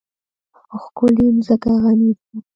ښکلې مځکه غني ده.